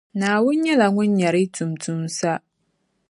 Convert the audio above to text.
Naawuni nyɛla Ŋun nyari yi tuuntumsa.